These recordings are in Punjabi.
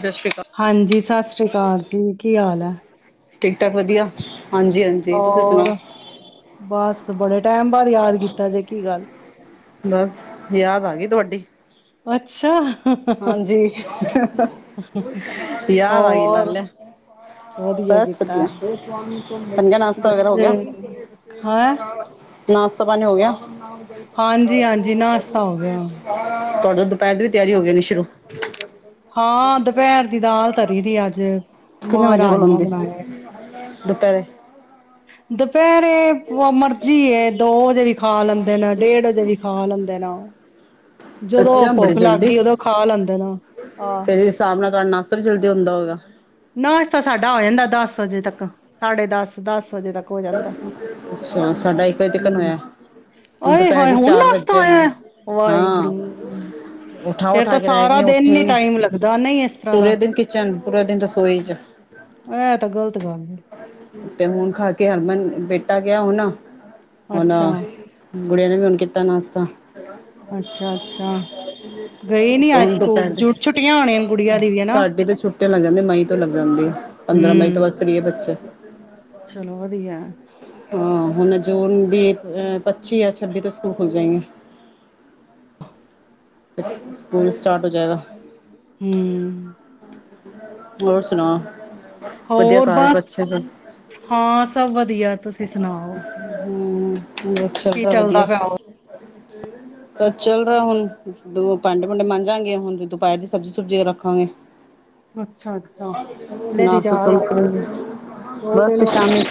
ਸਤਿ ਸ਼੍ਰੀ ਅਕਾਲ ਹਾਂਜੀ ਸਤਿ ਸ੍ਰੀ ਅਕਾਲ ਜੀ ਕੀ ਹਾਲ ਹੈ। ਠੀਕ ਠਾਕ ਵਧੀਆ। ਹਾਂਜੀ ਹਾਂਜੀ ਤੁਸੀਂ ਸੁਣਾਓ। ਹੋਰ, ਬਸ ਬੜੇ ਟਾਈਮ ਬਾਅਦ ਯਾਦ ਕੀਤਾ ਜੇ ਕੀ ਗੱਲ ਬਸ ਯਾਦ ਆ ਗਈ ਤੁਹਾਡੀ ਅੱਛਾ ਹਾਂਜੀ ਹੰਹੰ - ਯਾਦ ਆ ਗਈ ਲਾ ਹੋਰ, ਲਿਆ - ਵਧੀਆ ਬਸ ਕੀਤਾ, ਵਧੀਆ ਨਾਸ਼ਤਾ ਵਗੈਰਾ ਹੋ ਬੱਚੇ ਗਿਆ ਹੈਂ, ਨਾਸ਼ਤਾ ਪਾਣੀ ਹੋ ਗਿਆ ਹਾਂਜੀ-ਹਾਂਜੀ ਨਾਸ਼ਤਾ ਹੋ ਗਿਆ। [unintelligible] ਤੁਹਾਡੀ ਦੁਪਹਿਰ ਵੀ ਤਿਆਰੀ ਹੋ ਗਏ ਨਿਸ਼ ਸ਼ੁਰੂ ਹਾਂ ਦੁਪਹਿਰ ਦੀ ਦਾਲ ਧਰੀ ਦੀ ਅੱਜ ਕਿੰਨੇ ਮਾਂ ਵਜੇ ਕੋਲ ਰਾਜਮਾਂ ਆਉਂਦੀ ਬਣਾਏ। ਦੁਪਹਿਰੇ ਦੁਪਹਿਰੇ ਵ ਮਰਜੀ ਐ - ਦੋ ਵਜੇ ਵੀ ਖਾ ਲੈਂਦੇ ਨੇ ਡੇਢ ਵਜੇ ਵੀ ਖਾ ਲੈਂਦੇ ਨ ਜਦੋਂ ਅੱਛਾ ਉਹ ਬੜੀ ਭੁੱਖ ਲੱਗ ਜਲਦੀ ਗਈ ਉਦੋਂ ਖਾ ਲੈਂਦੇ ਨਾ - ਆਹ ਸਬ ਜਲਦੀ ਹੁੰਂਦਾ ਹੋਇਗਾ ਨਾਸ਼ਤਾਂ ਸਾਡਾ ਹੋ ਜਾਂਦੈ ਦਸ ਵਜੇ ਤੱਕ ਸਾਢੇ ਦਸ ਦਸ ਵਜੇ ਤੱਕ ਹੋ ਜਾਂਦਾ। ਅੱਛਾ ਸਾਡਾ ਇੱਕ ਵਜੇ ਤਿੱਕਨ ਹੂੰ। ਹੋਇਆ - ਹੁਣ ਆਏ ਦੁਪਹਿਰ ਹਾਏ ਦੀ ਹੁਣ ਚਾਰ ਵੱਜ ਨਾਸ਼ਤਾ ਆਇਆ ਜਾਏਂਗੇ ਹਾਂ ਵਾਹਿਗੁਰੂ ਉਠਾ ਫੇਰ ਉਠਾ ਤਾਂ ਕੇ ਰਹਿ ਸਾਰਾ ਗਈ ਦਿਨ ਉੱਠੇ ਨੀ ਟਾਈਮ ਲੱਗਦਾ ਨਹੀਂ ਇਸ ਤਰ੍ਹਾਂ ਦਾ ਪੂਰੇ ਦਿਨ ਕਿਚਨ ਪੂਰੇ ਦਿਨ ਰ ਇਹ ਤਾਂ ਗ਼ਲਤ ਗੱਲ ਹੈ ਤੇ ਹੁਣ ਘਰ ਕਿ ਹਰਮਨ ਬੇਟਾ ਗਿਆ ਹੁਨਾ ਅੱਛਾ ਗੁੜੀਆਂ ਨੇ ਵੀ ਹੁਣ ਕੀਤਾ ਨਾਸ਼ਤਾ ਅੱਛਾ ਅੱਛਾ ਗਈ ਨੀ ਅੱਜ ਹੁਣ ਸਕੂਲ ਦੁਪਹਿਰ ਦੇ ਜੂਠ ਛੁੱਟੀਆਂ ਹੋਣੀਆਂ ਗੁੜੀਆਂ ਦੀ ਵੀ ਹਨਾ। ਸਾਡੇ ਤੇ ਛੁੱਟੀਆਂ ਲੱਗ ਜਾਂਦੀ ਮਈ ਤੋਂ ਲੱਗ ਜਾਂਦੀ ਪੰਦਰਾਂ ਮਈ ਤੋਂ ਹੂੰ ਬਾਅਦ ਫਰੀ ਆ ਬੱਚੇ ਚਲੋ ਸੀਆ ਹਾਂ ਹੁਣ ਜੂਨ ਦੀ ਅਹ ਪੱਚੀ ਜਾਂ ਛੱਬੀ ਤੋਂ ਸਕੂਲ ਖੁੱਲ ਜਾਏਗੇ ਸਕੂਲ ਸਟਾਰਟ ਹੋ ਜਾਏਗਾ ਹਮ ਹੋਰ ਸੁਣਾਓ ਵਧੀਆ ਹੋਰ ਘਰ ਬਸ ਬੱਚੇ ਸਭ ਹਾਂ ਸਭ ਵਧੀਐ ਤੁਸੀਂ ਸੁਣਾਓ ਅੱਛਾ ਕੀ ਬੜਾ ਵਧੀਆ ਚੱਲਦਾ ਪਿਆ ਹੋਰ? ਚਲ ਰਿਹਾ ਹੁਣ ਦੋ ਭਾਂਡੇ ਭੂੰਡੇ ਮੰਜਾਂਗੇ ਹੁਣ ਵੀ ਦੁਪਹਿਰ ਦੀ ਸਬਜ਼ੀ ਸੁਬਜ਼ੀ ਰੱਖਾਂਗੇ ਅੱਛਾ ਅੱਛਾ ਇੰਨੇ ਨਾ ਦੀ ਚਾਰ ਸੁਕਣ ਵੱਜ ਜਾਣਗੇ ਦੋ ਬਸ ਤਿੰਨ ਫਿਰ ਵੱਜ ਸ਼ਾਮੀ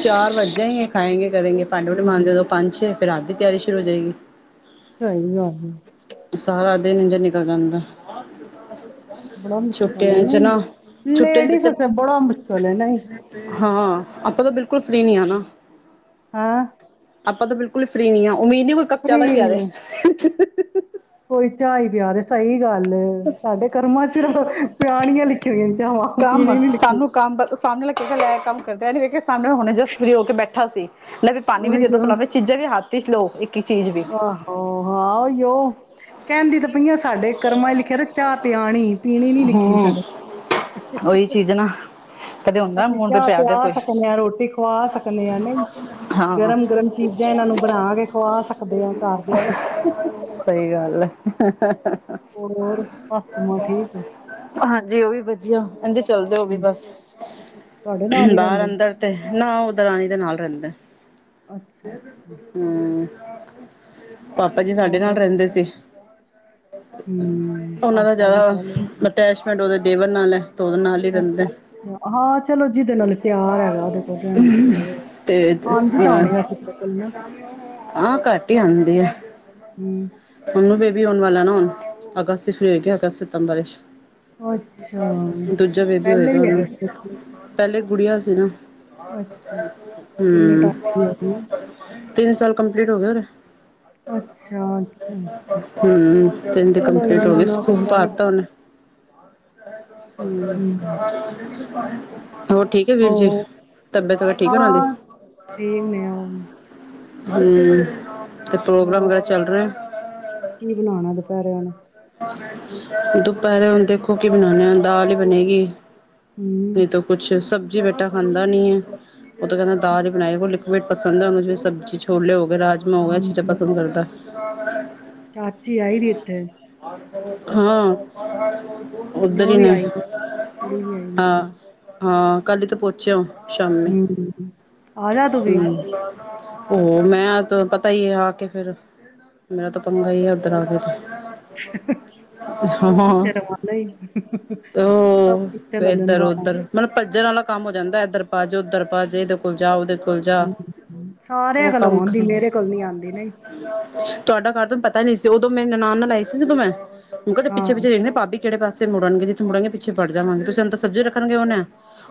ਚਾਰ ਵੱਜ ਜਾਏਂਗੇ ਖਾਏਗੇ ਕਰੇਗੇ ਭਾਂਡੇ ਭੂਂਡੇ ਹੂੰ। ਮਾਂਜਦੇ ਉਦੋਂ ਪੰਜ ਛੇ ਫੇਰ ਰਾਤ ਦੀ ਤਿਆਰੀ ਸ਼ੁਰੂ ਹੋ ਜਾਏਗੀ ਸਹੀ ਗੱਲ ਹੈ ਸਾਰਾ ਦਿਨੰ ਇੰਜ ਦਾ ਗੰਦਾ ਬੜਾ ਮੁਸ਼ਕਲ ਹੈ ਨਹੀਂ ਛੁੱਟੀਆਂ ਚ ਲੇਡੀਜ਼ ਬੱਚੇ ਉਥੇ ਬੜਾ ਮੁਸ਼ਕਿਲ ਨਹੀਂ ਹਾਂ ਆਪਾਂ ਤਾਂ ਬਿਲਕੁਲ ਫਰੀ ਨਹੀਂ ਆ ਨਾ ਹੈਂ? ਆਪਾਂ ਤਾਂ ਬਿਲਕੁਲ ਹੀ ਫਰੀ ਨਹੀਂ ਹਾਂ ਉਮੀਦ ਨਹੀ ਕੋਈ ਇੱਕ ਕੱਪ ਚਾਹ ਫਰੀ ਦਾ ਈ ਪਿਆ ਦੇ। ਕੋਈ ਚਾਅ ਹੀ ਪਿਆ ਦੇ ਸਹੀ ਗੱਲ ਸਾਡੇ ਕਰਮਾਂ ਸਿਰਫ ਪਿਆਣੀਆਂ ਲਿਖੀਆਂ ਹੋਈਆਂ ਨੇ ਚਵਾਂ ਪੀਣੀ ਨੀ ਲਿਖੀ ਲ ਕੰਮ ਕਰਦੇ ਐ ਨਹੀਂ ਵੇਖਿਆ ਸਮਣੇ ਹੋਣੇ ਜਸਟ ਫਰੀ ਹੋ ਕੇ ਬੈਠੇ ਅਠਾਸੀ ਪਾਣੀ ਵੀ ਦੇ ਦੋ ਫਲਾ ਚੀਜ਼ਾਂ ਵੀ ਹੱਥ [unintelligible] ਆਹਹੋ ਹਾਂ ਯ ਕਹਿੰਦੀ ਤਾਂ ਪਈਆਂ ਸਾਡੇ ਕਰਮਾਂ ਲਿਖਿਆ ਤੇ ਚਾਹ ਪਿਆਣੀ ਪੀਣੀ ਨੀ ਲਿਖੀ ਹੂੰ ਸਾਡੇ ਉਹੀ ਚੀਜ਼ ਨਾ ਕਦੇ ਹੁੰਦਾ ਅਸੀਂ ਮੂਡ ਤੇ ਚਾਹ ਦੇ ਪਿਆ ਕੋਈ ਸਕਦੇ ਹਾਂ, ਰੋਟੀ ਖਵਾ ਸਕਦੇ ਹਾਂ, ਨਹੀਂ ਹਾਂ ਗਰਮ ਗਰਮ ਚੀਜ਼ਾਂ ਇਹਨਾਂ ਨੂੰ ਬਣਾ ਕੇ ਖਵਾ ਸਕਦੇ ਹਾਂ ਘਰਦਿਆਂ ਨੂੰ ਸਹੀ [unintelligible] ਹੋਰ ਸੱਸ ਮਾਂ ਠੀਕ ਹਾਂਜੀ ਉਹ ਵੀ ਵਧੀਆ ਕਹਿੰਦੇ ਚਲਦੇ ਉਹ ਵੀ ਆ ਬਸ ਤੁਹਾਡੇ ਨਾਲ ਹੀ ਬਾਹਰ ਰਹਿੰਦੇ ਨੇ? ਅੰਦਰ ਤੇ ਨਾ ਉ ਦਰਾਣੀ ਦੇ ਨਾਲ ਰਹਿੰਦੇ ਅੱਛਾ ਅੱਛਾ। ਹਮ [unintelligible] ਪਾਪਾ ਜੀ ਸਾਡੇ ਹੋਰ ਨਾਲ ਰਹਿੰਦੇ ਸੀ ਹੂੰ। ਉਹਨਾਂ ਦਾ ਪਾਪਾ ਜੀ ਜਿਆਦਾ ਅਟੈਚਮੈਂਟ ਉਹਦੇ ਦੇਵਰ ਨਾਲ ਹੈ। ਤੇ ਉਹਦੇ ਨਾਲ ਹੀ ਰਹਿੰਦਾ ਅੱ ਹਾਂ ਚਲੋ ਜਿਹਦੇ ਨਾਲ ਪਿਆਰ ਹੈਗਾ ਉਹਦੇ ਕੋਲ ਰਹਿਣਾ ਚਾਹੀਦਾ ਆਂਦੀ ਤਾਂ ਆ ਵੈਸੇ ਤੇਰੇ ਕੋਲ ਨਾ। ਆਹ ਘੱਟ ਹੀ ਆਂਦੇ ਆ ਹਮ ਨੂੰ ਨੂ ਬੇਬੀ ਆਉਣ ਵਾਲਾ ਨਾ ਹੁਣ ਅਗਸਤ ਫੀ ਹੋ ਗਿਆ ਅਗਸਤ ਸਤੰਬਰ ਵਿੱਚ ਅੱਛਾ ਦੂਜਾ ਬੇਬੀ ਪਹਿਲੇ ਹੋਏਗਾ ਵੀ ਹੈਗੇ ਉਹ ਸੀ ਬੱਚੇ। ਪਹਿਲੇ ਗੁੜੀਆਂ ਸੀ ਨਾ ਅੱਛਾ ਅੱਛਾ। ਕਿੰਨੇ ਹਮ ਟਾਈਮ ਦੀ ਹੋ ਗਈ। ਤਿੰਨ ਸਾਲ ਕੰਪਲੀਟ ਹੋ ਗਏ ਹੋਨੇ- ਅੱਛਾ ਅੱਛਾ। ਹਮ ਤਿੰਨ ਦੀ ਚਲੋ ਕੰਪਲੀਟ ਹੋ ਗਈ ਇੰਨਾ ਤਾਂ ਸਕੂਲ ਪਾ ਚਾਹੀਦਾ। ਦਿੱਤਾ ਉਹਨੇ [inaudible] ਹੂ। ਹੂੰ। ਹ [inaudible] ਹੋਰ ਠੀਕ ਹੈ, ਵੀਰ ਜੀ ਆਹੋ ਤਬੀਅਤ ਵਗੈਰਾ ਠੀਕ ਹੈ, ਉਹਨਾਂ ਦੀ। ਹਾਂ ਦੇਖਦੇ ਆ ਹੁਣ। ਹੂ। ਹੋਰ ਕੀ ਬਣਾਣਾ ਦੁਪਹਿਰਾ ਨੂੰ। ਦੁਪਹਿਰੇ ਹੁਣ ਦੇਖੋ, ਕੀ ਬਣਾਉਣੇ ਆ ਦਾਲ ਹੀ ਬਣੇਗੀ। ਹੂੰ। ਨਹੀਂ ਤਾਂ ਕੁੱਛ ਸਬਜੀ - ਬੇਟਾ ਖਾਂਦਾ ਨੀ ਹੈ। ਉਹ ਤਾਂ ਕਹਿੰਦਾ ਦਾਲ ਹੀ ਬਣਾਈ ਪਸੰਦ ਹੈ। ਉਹ ਸਬਜ਼ੀ ਛੋਲੇ ਹੋਗੇ। ਰਾਜਮਾ ਹੋ ਗਏ ਚੀਜ਼ਾਂ ਹੂੰ ਪਸੰਦ ਕਰਦਾ। [unintelligible] ਚਾਚੀ ਆਈ ਦੀ ਇੱਥੇ। ਹੂ। ਉਹ ਵੀ ਆਈ। ਕੁੜੀ ਵੀ ਆਈ। ਹਾਂ ਹਾਂ, ਕੱਲ ਹੀ ਤਾਂ ਪਹੁੰਚੇ। ਸ਼ਾਮੀ ਹੂ, ਆ ਜਾ ਤੂੰ ਵੀ। ਹੂ, ਮੈਂ ਤੇ ਪਤਾ ਹੀ ਆ ਕੇ ਫਿਰ ਮੇਰਾ ਤਾਂ ਪੰਗਾ ਆ, ਓਧਰ ਆ ਕੇ ਤੇ। ਹਾਂ। ਤੇਰਾ ਮਨ ਹੀ ਸਭ ਪਿੱਛੇ ਉਹ ਨਾ ਲੰਬਾ ਇਧਰ-ਉਧਰ ਮਤਲਬ ਭੱਜਣ ਵਾਲਾ ਕੰਮ ਹੋ ਜਾਂਦਾ। ਇਧਰ ਪਾ ਜਾਓ ਉੱਧਰ ਪਾ ਜਾਓ ਏ ਤਾਂ ਕੋਈ- ਜਾਹ, ਉਹਦੇ ਕੋਲ ਜਾਹ। ਸਾਰਿਆਂ ਉਹ ਕੋਲ ਕੰਮ ਆਉਂਦੀ ਖਰਾਬ। ਮੇਰੇ ਕੋਲ ਨਹੀਂ ਆਂਦੀ ਨਹੀਂ ਤੁਹਾਡਾ ਘਰ ਤੁਹਾਨੂੰ ਪਤਾ ਨਹੀਂ ਸੀ। ਤੇ ਉਦੋਂ ਮੇਰੀ ਨਨਾਣ ਨੇ ਲਾਈ ਸੀ। ਸੀ ਕਿ ਮੈਂ- ਉਹ ਤਾਂ ਪਿੱਛੇ ਹਾਂ ਪਿੱਛੇ ਦੇਖਦੀ। ਭਾਬੀ- ਕਿਹੜੇ ਪਾਸੇ ਮੁੜਨਗੇ ਜੀ ਜਿਥੇ ਜਿਹਾ ਪਿੱਛੇ ਵੜ ਜਾਵਾਂਗੇ, ਤੇ ਸਾਨੂੰ ਤਾਂ ਸਬਜੀ ਰੱਖਣੀ ਆਉਦੀ ਆ।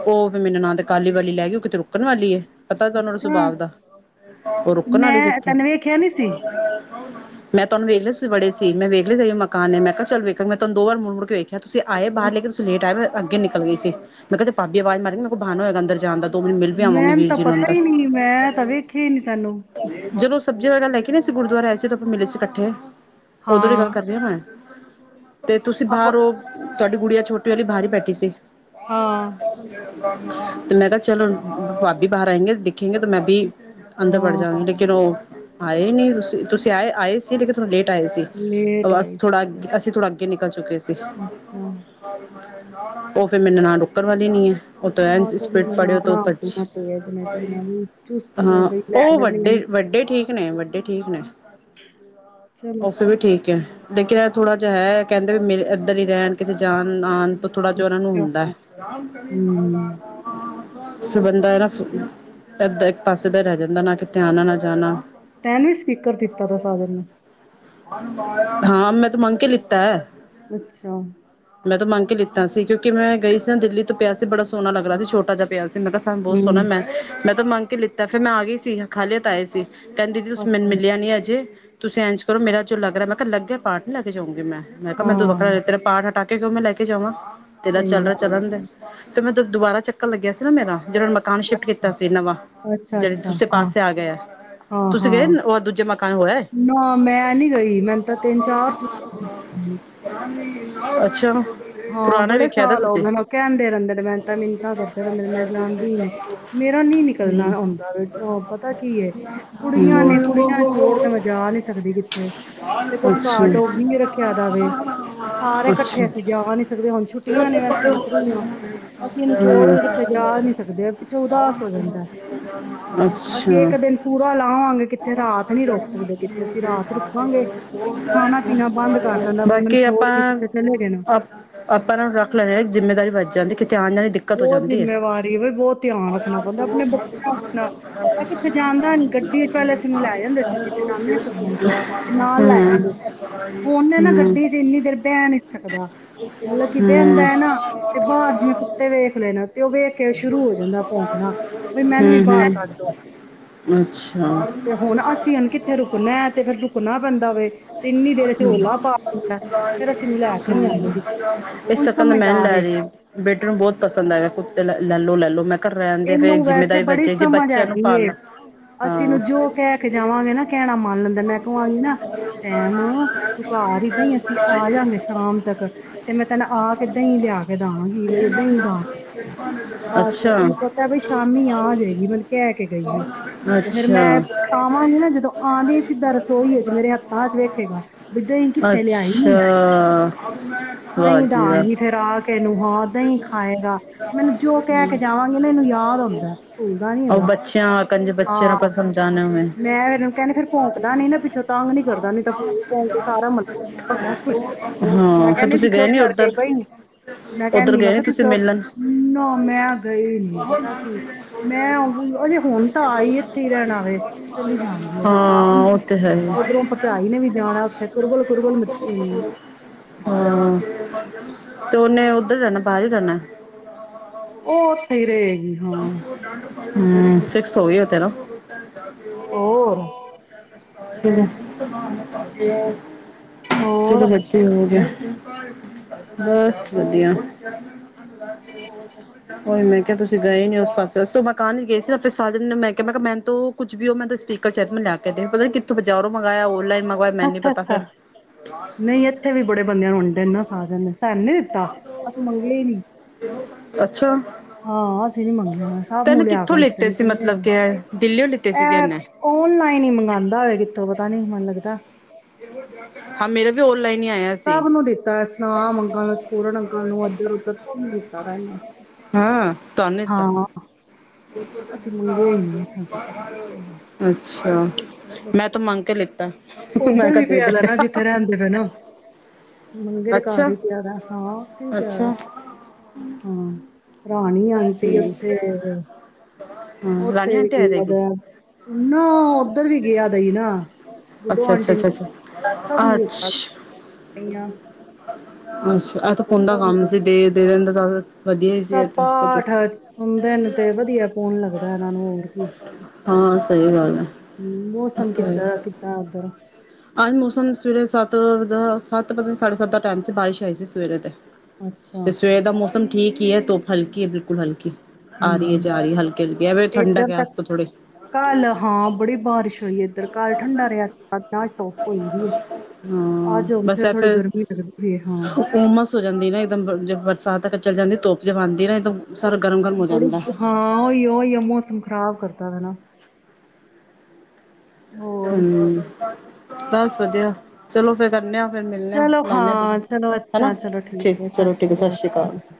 ਉਹ ਫਿਰ ਮੇਰੀ ਨਨਾਣ ਕਾਲੀ ਵਾਲੀ ਲੈ ਗਈ। ਉਹ ਕਿਤੇ ਰੁਕਣ ਵਾਲੀ ਹੈ। ਪਤਾ ਤਾ ਹੈ ਉਹਨਾਂ ਦੇ ਅੱਛਾ ਸੁਭਾਅ ਦਾ। ਉਹ ਤੇ ਰੁਕਣ ਮੈਂ ਵਾਲੀ ਕਿੱਥੇ। ਤੈਨੂੰ ਵੇਖਿਆ ਨਹੀਂ ਸੀ ਮੈਂ ਤੁਹਾਨੂੰ ਵੇਖ ਲਿਆ ਸੀ। ਵੜੇ ਸੀ। ਮੈਂ ਵੇਖ - ਇਹ ਮਕਾਨ ਨੇ ਮੈਂ ਕਿਹਾ ਚਲ ਵੇਖਣਗੇ। ਮੈਂ ਤੁਹਾਨੂੰ ਦੋ ਵਾਰ ਮੁੜ - ਮੁੜ ਕੇ ਵੇਖਿਆ। ਕਿਹਾ, ਤੁਸੀਂ ਆਏ ਬਾਹਰੋਂ ਲੇਕਿਨ ਤੁਸੀਂ ਲੇਟ ਆਏ ਹੋ। ਅੱਗੇ ਨਿਕਲ ਗਈ ਸੀ। ਮੈਂ ਕਿਹਾ ਜੇ ਭਾਬੀ ਆਵਾਜ਼ ਮਾਰੇ ਤਾਂ ਮੇਰੇ ਕੋਲ ਬਹਾਨਾ ਹੋਵੇਗਾ ਅੰਦਰ ਜਾਣ ਦਾ। ਦੋ ਮਿੰਟ ਮਿਲ ਵੀ ਆਵਾਂਗੇ ਮੈਨੂੰ ਵੀਰ ਤਾਂ ਜੀ ਨੂੰ ਪਤਾ ਅੰਦਰ ਹੀ ਨਹੀਂ। ਮੈਂ ਤਾਂ ਵੇਖਿਆ ਹੀ ਨੀ ਤੈਨੂੰ। ਸਬਜ਼ੀਆਂ ਵਗੈਰਾ ਲੈ ਕੇ ਨਹੀਂ ਆਏ ਸੀ। ਗੁਰਦੁਆਰੇ ਆਏ ਸੀ। ਉਦੋਂ ਆਪਾ ਮਿਲੇ ਸੀ ਇਕੱਠੇ। ਉਦੋਂ ਦੀ ਹਾਂ। [inaudible] ਤੇ ਤੁਸੀਂ ਆਪਾਂ ਬਾਹਰ ਹੋ। ਤੁਹਾਡੀ ਗੁਡੀਆ ਚੁੱਕ - ਛੋਟੀ ਵਾਲਲੀ ਬਾਹਰ ਹੀ ਬੈਠੀ ਸੀ ਹਾਂ [unintelligible] ਤੇ ਮੈਂ ਕਿਹਾ ਚਲ ਭੀ ਬਾਹਰ ਆਏਂ ਗ ਦੇਖੇਗੇ ਤੇ ਮੈਂ ਵੀ ਅੰਦਰ ਬੜ ਜਾਵਗੇ ਹਾਂ ਲੇਕਿਨ ਉਹ ਆਏ ਨਹੀਂ ਤੁਸੀਂ ਤੁਸੀਂ ਆਏ ਆਏ ਸੀ ਲੇਕਿਨ ਲੇਟ ਆਏ ਸੀ ਲੇਟ ਅਂ ਆਈ ਸੀ ਥੋੜ੍ਹਾ ਅ ਅਸੀਂ ਥੋੜ੍ਹਾ ਅੱਗੇ ਨਿਕਲ ਚੁੱਕੇ ਸੀ ਅੱਛਾ ਉਹ ਫਿਰ ਮੇਰੀ ਨਨਾਣ ਰੁੱਕਣ ਵਾਲੀ ਨੀ ਹੈ ਉਹ ਤੇ ਐਨ ਆ ਤਾਂ ਸਪੀਡ ਫੜਓ ਤੋ ਨਨਾਣਾ ਭੱਜ, ਆਪਣੀਆਂ ਤੇਜ ਨੇ ਤੇਰੀਆਂ ਵੀ ਚੁਸਤ ਨੇ ਹਾਂ ਬਈ ਲੈ ਉਹ ਜਾਂਦੀਆਂ ਵੱਡੇ ਨੇ। ਵੱਡੇ ਠੀਕ ਨੇ ਵੱਡੇ ਠੀਕ ਨੇ ਚਲੋ ਬੱਸ ਫੇ ਠੀਕ ਹੈ ਲੇਕਿਨ ਇਹ ਥੋੜ੍ਹਾ ਜਿਹਾ ਹੈ ਕਹਿੰਦੇ ਵੀ ਮੇਰੇ ਇੱਧਰ ਹੀ ਰਹਿਣ ਕਿਤੇ ਜਾਣ ਨਾ ਆਉਣ ਥੋੜ੍ਹਾ ਜਿਹਾ ਉਹਨਾਂ ਨੂੰ ਅੱਛਾ, ਹੁੰਦਾ ਹੈ ਹੂੰ ਫਿਰ ਬੰਦਾ ਇਹ ਨਾ ਸੁ ਇੱਦਾਂ ਇੱਕ ਪਾਸੇ ਦਾ ਰਹ ਫਿਰਨਾ ਨਾ ਕਿਤੇ ਆਉਣਾ ਨਾ ਜਾਣਾ ਤੈਨ ਵੀ ਸਪੀਕਰ ਦਿੱਤਾ ਦਾ ਸਾਗਰ ਨੇ ਹਾਂ ਮੈਂ ਤੇ ਮੰਗ ਕੇ ਲਿੱਤਾ ਹੈ ਅੱਛਾ ਮੈਂ ਤਾਂ ਮੰਗ ਕੇ ਲਿੱਤਾ ਸੀ ਕਿਉਂਕਿ ਮੈਂ ਗਈ ਸੀ ਨਾ ਦਿੱਲੀ ਤੇ ਪਿਆ ਸੀ ਬੜਾ ਸੋਹਣਾ ਲੱਗਹਾ ਸੀ ਛੋਟਾ ਜਾ ਪਿਆ ਸੀ ਤੇਨੁ ਮੈਂ ਦਸਾਂ ਬੌਤ ਸੋਨਾ ਹੂੰ। ਮੈਂ ਮੈਂ ਤਾਂ ਮੰਗ ਕੇ ਲਿੱਤੇ ਫਿਰ ਮੈਂ ਆ ਗਈ ਸੀ ਖਾਲੀ ਹਾਥ ਆਏ ਸੀ। ਕੇੰਦੀਦੀ ਤੁਸੀਂ ਮੈਨੂੰ ਅੱਛਾ, ਮਿਲਿਆ ਨੀ ਅਜੇ। ਤੁਸੀਂ ਐਜ ਚਲੋ ਮੇਰਾ ਜੋ ਲੱਗ ਰਿਐ ਮੈਂ ਕਿਆ ਲੱਗ ਗਿਆ ਪਾਠ ਲੀ ਲੈ ਕੇ ਜਾਊਂਗੀ ਮੈਂ। ਮੈਂ ਕਿਹਾ ਮੈਨੂੰ ਤੇ ਤੁੰ ਹਾਂ, ਵੱਖਰਾ [unintelligible] ਤੇਰੇ ਪਾਠ ਹਟਾ ਕ ਕੇ [unintelligible] ਮੈੰ ਲੈ ਕੇ ਜਾਵਾਂ। ਤੇਰਾ ਸਹੀ ਚੱਲਰਾ ਗੱਲ ਚਲਨ ਦੇ ਐ। ਫਿਰ ਮੈਂ ਫੇਰ ਦੁਬਾਰਾ ਚੱਕਰ ਲੱਗਿਆ ਸੀ ਨਾ ਮੇਰਾ। ਜਿਹੜਾ ਮਕਾਨ ਸ਼ਿਫਟ ਕੀਤਾ ਸੀ ਨਵਾਂ, ਜਿਹੜ ਅੱਛਾ-ਅੱਛਾ, ਦੂਸੇ ਹਾਂ, ਪਾਸੇ ਆ ਗਏ ਐ ਤੁਸੀਂ ਗਏ ਹਾਂ-ਹਾਂ, ਔ ਦੂਜੇ ਮਕਾਨ ਹੋ ਆਏ? ਨਾ ਮੈਂ ਨੀ ਲਈ ਮੈਨੂੰ ਤਾਂ ਤਿੰਨ ਚਾਰ ਅੱਛਾਂ! ਹਾਂ ਬੜੇ ਸਾਲ ਹੌ ਗਏ ਨੇ ਔ ਕੇੰਦੇ ਰੇੰਦੇ ਨੇ ਮੈਂਨ ਤੇ ਮਿਨਤਾਂ ਕਰਦੇ ਰੇੰਦੇ ਨੇ ਮੈਂ ਜਾਂਦੀ ਨੀ, ਮੇਰਾ ਨੀ ਨਿਕਲਨਾ ਹੌੰਦਾ ਵੇ, ਔਂ ਪਤਾ ਕੀ ਐ ਹੂੰ ਕੁੜੀਆਂ ਨੇ ਕੁੜੀਆਂ ਛੋੜ ਕੇ ਹੂੰ ਮੈਂ ਜਾ ਨੀ ਸਕਦ ਕਿੱਥੇ, ਤੇ ਕੋਛ ਅੱਛਾ ਅੱਛਾ ਘਾਰ ਡੌਗੀ ਵੀ ਰੱਖਿਆ ਦਾ ਵੇ, ਸਾਰੇ ਕੱਠੇ ਜਾ ਨਈ ਸਕਦੇ ਹੁਨ ਛੁੱਟੀਆਂ ਨੇ ਵੈਸੇ ਤੇ ਹੁਨ ਫ੍ਰੀ ਆਂ, ਅਸੀਂ ਏਨੂੰ ਛੋੜ ਕੇ ਕਿਥੇ ਜਾ ਨਈ ਸਕਦੇ, ਪਛੋਂ ਉਦਾਸ ਹੋ ਹਮ, ਜਾਂਦੈ, ਅਸੀਂ ਅੱਛਾ ਇਕ ਦਿਨ ਪੂਰਾ ਲਾ ਆਵਾਂਗੇ ਕਿੱਥੇ ਰਾਤ ਨੀ ਰੋਕ ਸਕਦੇ ਕਿੱਥੇ ਬੰਦ ਕਰ ਦਿੰਦਾ ਵੀ ਮੈਨੂੰ ਬਾਕੀਂ ਛੋੜ ਆਪਾਂ ਕੇ ਕਿਤੇ ਚਲੇ ਗਏ ਨਾ ਅ ਆਪਾਂ ਇਹਨਾਂ ਨੂੰ ਰੱਖ ਲੈਣੇ ਹਾਂ ਜਿੰਮੇਦਾਰੀ ਵੱਜ ਜਾਂਦੀ ਕੀ ਬਹੁਤ ਜਿੰਮੇਵਾਰੀ ਬ ਬਹੁਤ ਧਿਆਨ ਰੱਖਣਾ ਪਉਦਾ ਆਪਣੇ ਬੱਚਿਆਂਣਾ ਇਹ ਕਿੱਥੇ ਜਾਂਦਾ ਨੀ ਗੱਡੀ ਚ ਪਹਿਲ ਤਨੂੰ ਲੈ ਜਾਂਦੇ ਸੀ ਕਿੱਥੇ ਜਾਂਦੇ ਹ ਤੇ ਨਾਲ ਲੈ ਹੂੰ ਜਾਂਦੇ ਹੁਣਨ ਨਾ ਹੂੰ ਗੱਡੀ ਚ ਇੰਨੀ ਦੇਰ ਬਹਿ ਨੀ ਸਕਦਾ ਮਤਲਬ ਕਿ ਬਹਿੰਦਾ ਹੂੰ-ਹੂੰ, ਹੈ ਨਾ ਤੇ ਬਾਹਰ ਜਿਵੇਂ ਕੁ ਦੇੇਖ ਲੈਣਾ ਤੇ ਉਹ ਵੇਖ ਕੇ ਸ਼ੁਰੂ ਹੋ ਜਾਂਦਾ ਭੋਂਕਣਾ ਬਈ ਮੈਨੂੰ ਵੀ ਬਾਹਰ ਕੱਢ ਦੋ, ਤੇ ਅੱਛਾ ਹੁਣ ਅਸੀਂ ਹੁਨ ਕਿੱਥੇ ਰੁਕਣਾ ਤੇ ਫੇਰ ਰੁਕਣਾ ਪੈਂਦਾ ਵੇ ਤੇ ਇੰਨੀ ਦੇਰ ਚ ਰੌਲਾ ਪਾ ਦਿੰਦਾ ਫੇਰ ਅਸੀਂ ਇਹਨੂੰ ਲੈ ਕੇ ਨੀ ਆਂਦੇ ਗੇ ਇਸ ਹੁਣ ਸਕਨ ਮੈਂਨ ਸਮਝਦਾਰ ਲੈ ਏ ਰਹੀ ਬੇਟੇ ਨੂੰ ਬਹੁਤ ਪਸੰਦ ਆਇਗਾ ਕੁੱਤੇ ਲੈ ਲੋ, ਲੈ ਲੋ ਮੈਂ ਕਿਹਾ ਰਹਿਣ ਦੇ ਫਿਰ ਇਹਨੂੰ ਵੈਸੇ ਜਿੰਮੇਦਾਰੀ ਬੜੀ ਵੱਜੇ ਜੇ ਸਮਝ ਬੱਚਿਆਂ ਨੂੰ ਹੈਗੀ ਏ ਪਾਲਣਾ ਅਸੀਂ ਹਾਂ। ਇਹਨੂੰ ਜੋ ਕਹਿ ਕੇ ਜਾਵਾਂਗੇ ਨਾ ਕਹਿਣਾ ਮੰਨ ਲੈਂਦਾ ਮੈਂ ਕਵਾਗੀ ਨਾ ਤੈਮ ਤੂੰ ਘਰ ਹੀ ਬਈ ਅਸੀਂ ਆ ਜਾਗੇ ਸ਼ਾਮ ਤੱਕ ਤੇ ਮੈਂ ਤੈਨੂੰ ਆ ਕੇ ਦਹੀਂ ਲਿਆ ਕੇ ਦਾਗੀ ਬਈ ਦਹੀਂ ਦਾਂ ਬਸ ਅੱਛਾ। ਇਹਨੂੰ ਸੋਚਿਆ ਬਈ ਸ਼ਾਮੀ ਆ ਜਾਏਗੀ ਮੈਨ ਕਹਿ ਕੇ ਗਈਏ ਤੇ ਫੇਰ ਮੈਂ ਆਵਾਂਗੀ ਨਾ ਅੱਛਾ। ਜਦੋਂ ਆਂ ਸਿੱਧਾਂ ਰਸੋਈ ਏਚ ਮੇਰੇ ਹੱਥ ਚ ਵੇਖੇਗਾ ਬਈ ਦਹੀਂ ਕਿੱਥੇ ਲਿਆਈ ਨੀ ਦਹੀਂ ਦਾਗੀ ਫੇਰ ਆ ਕੇਨੂੰ ਹਾਂ ਦਹੀਂ ਖਾਏਗਾ ਮੈਨੂੰ ਜੋ ਕਹਿ ਕੇ ਜਾਵਾਂ ਇਹਨੂੰ ਯਾਦ ਆਉਂਦਾ ਭੁਲਦਾ ਨੀ ਹੈਗਾ ਹਾਂ ਸਮਝਾਣੇ ਹੋਏ ਮੈਂ ਇਹਨੂੰ ਕਹਿੰਦੇ ਫੇਰ ਭੋਂਕਦਾ ਨੀ ਪਿੱਛੋਂ ਤਾਂ ਨੀ ਕਰਦਾ ਨਈ ਤਾਂ ਪੋਕ ਪੋਕ ਸਾਰਾ ਮਲਾ ਕਠਾ ਕਰ ਲਏਗਾ ਮੈ ਹਾਂ ਫਿਰ ਕਹਿੰਦੀ ਤੂੰ ਤੁਸੀਂ ਗਏ ਚੁਪ ਨੀ ਕਰਕੇ ਉੱਧਰ ਬਈ ਮੈਂ ਉੱਧਰ ਕਹਿੰਦੀ ਆ ਗਏ ਨੀ ਤੁ ਤੁਸੀਂ ਚੁੱਪ ਮਿਲਣ ਨਾ ਮੈ ਉਹ- ਅਜੇ ਹੁਣ ਤਾਂ ਆਈ ਇੱਥੇ ਹੀ ਰਹਿਣਾ ਵੇ, ਚਲੀ ਜਾਵਾਂਗੀ ਅਜੇ ਤਾਂ ਹਾਂ ਉਹ ਤੇ ਹੈ ਹੀ। ਉੱਧਰੋਂ ਭਰਜਾਈ ਨੇ ਵੀ ਜਾਣਾ ਉੱਥੇ ਕੁਰਬਲ-ਕੁਰਬਲ ਮੱਚੀ ਹੋਈ ਏ, ਹਾਂ ਤੇ ਓਹਨੇ ਉੱਧਰ ਹੀ ਰਹਿਣਾ ਬਾਹਰ ਹੀ ਰਹਿਣਾ। ਉਹ ਉਥੇ ਹੀ ਰਹੇ ਤਡ ਹਮ ਫਿਕਸ ਹੋ ਗਈ ਉਥੇ ਨਾ। ਚਦੇ ਹੋਰ, ਹੋ ਹਾਂ ਹੋ [inaudible] ਹੋਰ ਚਲੋ [unintelligible] ਹੋ ਜੇ। ਬਸ ਵਧੀਆ ਉਹੀ ਮੈਂ ਕਿਹਾ ਤੁਸੀ ਗਏ ਨੇ ਉਸ ਪਾਸੇ ਉਸ ਤੋਂ ਮਕਾਨੀ ਗਏ ਸੀ ਉਥੇ ਸਾਜਨ ਮੈਂ ਕਿਹਾ ਮੈਂ ਕਿਹਾ ਮੈਨੂੰ ਕੁਛ ਵੀ ਉਹ ਮੈਂਨ ਸਪੀਕਰ ਚਾਹੀਦਾ ਮੈਨ ਲਿਆ ਕੇ ਦੇ ਪਤਾ ਨ ਕਿੱਥੋਂ ਬਜ਼ਾਰੋਂ ਮੰਗਾਇਆ ਔਨਲਾਈਨ ਮੰਗਵਾਇਆ ਮੈਨੂੰ ਨੀ ਪਤਾ ਅੱਛਾ-ਅੱਛਾ ਫਿਰ ਨਹੀਂ ਇੱਥੇ ਵੀ ਬੜੇ ਬੰਦਿਆਂ ਨੂੰ ਵੰਡੇ ਨਾ ਸਾਜਨ ਨੇ ਤਾਂਨ ਨੀ ਦਿੱਤਾ ਅਸੀ ਮੰਗੇ ਹੀ ਨੀ ਅੱਛਾ ਹਾਂ। ਸੀ ਨੀ ਮੰਗਿਆ ਹੋਇਆ ਸਬ ਨੂੰ ਤੈਨੇ ਲਿਆ ਕੇ ਕਿੱਥੋਂ ਦਿੱਤੇ ਲਿੱਤੇ ਨੇ ਸੀ ਕਿੰਨੇ ਮਤਲਬ ਨੇ ਕਿ ਦਿੱਲੀਓ ਲਿੱਤੇ ਸੀਗੇ ਇਹ ਇਹਨੇ ਓਨਲਾਈਨ ਹੀ ਮੰਗਵਾਉਂਦਾ ਹੋਆ ਕਿੱਥੋਂ ਪਤਾ ਨੀ ਮਨ ਦਾ ਹਾਂ ਮੇਰਾ ਵੀ ਔਨਲਾਈਨ ਹੀ ਆਇਆ ਸੀ ਸਭ ਨੂੰ ਦਿੱਤਾ ਸਨਾਮ ਅੰਗਾਂ ਨੂੰ, ਸਪੂਰਨ ਅੰਕਲ ਨੂੰ ਅੱਧਰ ਉੱਧਰ ਸਭ ਨੂੰ [unintelligible] ਹਾਂ ਤੁਹਾਨੁ ਦਿੱਤਾ? ਹਾਂ ਅਸੀਂ ਮੰਗਿਆ ਹੀ ਨਹੀਂ ਛੱਡ ਪਰਾ ਕੋਈ ਗੱਲ ਨਹੀਂ। ਅੱਛਾ! ਮੈਂ ਤੇ ਮੰਗ ਕੇ ਲਿੱਤਾ। ਮੈਂ ਉੱਧਰ ਕਿਹਾ ਵੀ ਦੇ ਦੇ ਪਿਆਦਾ ਨਾ ਜਿੱਥੇ ਰਹਿੰਦੇ ਪਏ ਨਾ। ਮੰਗੇ ਦੇ ਘਰ ਅੱਛਾ ਹੀ ਪਿਆ ਦਾ ਹੈ ਹਾਂ ਉਥੇ ਵੀ ਪਿਆ ਦਾ ਅੱਛਾ ਹਾਂ। ਰਾਣੀ ਆਂਟੀ ਹਮ ਉੱਥੇ ਰਾਣੀ ਉੱਥੇ ਵੀ ਆਂਟੀ ਆਏ ਦੇ ਗਿਆ ਕੀ ਦਾ ਨਾ ਓਧਰ ਵੀ ਗਿਆ ਦਾ ਹੀ ਨਾ। ਗੁੱਡੋ ਅੱਛਾ ਅੱਛਾ ਆਂਟੀ ਨੂੰ ਅੱਛਾ ਅੱਛਾ ਅੱਛ [unintelligible] ਅੱਛਾ ਇਹ ਤਾਂ ਸਟੀਕਰ ਪੁੰਨ ਦਾ ਕੰਮ ਸੀ ਦੇ ਦੇ ਦਿੰਦਾ। ਵਧੀਆ ਹੀ ਚਲ ਸੀ ਤਾਂ ਕਦੇ ਪਾਠ ਸੁਂਦੇ ਨੇ ਤੇ ਵਧੀਆ ਹੁਣ ਲੱਗਦਾ ਇਹਨਾਂ ਨੂੰ ਹੋਰ ਕੀ ਹਾਂ ਸਹੀ ਗੱਲ ਹੈ ਹਮ ਇਹ ਮੌਸਮ ਤਾਂ ਕਿੱਦਾਂ ਹੈ ਕਿੱਦਾਂ ਉੱਧਰ? ਅੱਜ ਮੌਸਮ ਸਵੇਰੇ ਸੱਤ ਸੱਤ ਵਜੇ ਸਾਢੇ ਸੱਤ ਦਾ ਟਾਈਮ ਸੀ ਬਾਰਿਸ਼ ਆਈ ਸੀ ਸਵੇਰੇ ਤੇ। ਅੱਛਾ ਤੇ ਸਵੇਰ ਦਾ ਮੌਸਮ ਠੀਕ। ਯੇ ਤੋ ਹਲਕੀ ਹੈ ਬਿਲਕੁਲ ਹਲਕੀ। ਆ ਰਹੀ ਹੈ ਹਮ ਜਾ ਰਹੀ ਹੈ ਹਲਕੀ ਹਲਕੀ ਐਵੇਂ ਠੰਡਕ ਏਧਰ ਹੈ ਤਾਂ ਅੱਜ ਥੋੜੀ ਕੱਲ ਹਾਂ ਬੜੀ ਬਾਰਿਸ਼ ਹੋਈ ਇੱਧਰ ਕਲ ਠੰਡਾ ਰਿਹਾ ਸੀ ਧੁੱਪ ਹੋਈ ਦੀ ਏ ਹਾਂ ਅੱਜ ਹੁਣ ਬਸ ਫਿਰ ਐ ਥੋੜੀ ਫੇਰ ਗਰਮੀ ਲੱਗਦੀ ਪਈ ਏ ਹਾਂ ਉਮਸ ਹੋ ਜਾਂਦੀ ਨਾ ਇੱਕਦਮ ਜੇ ਬਰਸਾਤ ਤੱਕ ਚਲ ਜਾਂਦੀ। ਧੁੱਪ ਜਮਉਂਦੀ ਨਾ ਇਕਦਮ ਬੜੀ ਹਾਂ ਉਹੀ ਉਈ ਆ ਮੌਸਮ ਖ਼ਰਾਬ ਕਰਦਾ। ਤਾ ਨਾ। ਹੋਰ ਹਮ। ਬਸ ਵਧੀਆ ਚਲੋ ਫੇਰ ਕਰਨੇ ਆ। ਫਿਰ ਮਿਲਣੇ ਆ ਚਲੋ ਲਾਣੇ ਆ ਹਾਂ ਚਲੋ ਅੱਛਾ ਚਲੋ ਠੀਕ ਹੈ, ਸਤਿ ਸ੍ਰੀ ਅਕਾਲ ਹਾਂ।